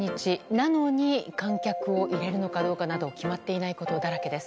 なのに観客を入れるかどうかなど決まっていないことだらけです。